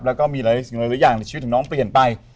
แล้วก็มีหลายสิ่งหลายอย่างในชีวิตของน้องเปลี่ยนไป